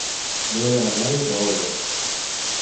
No he anat mai a Orba.